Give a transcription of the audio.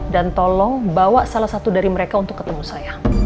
dan tolong bawa salah satu dari mereka untuk ketemu saya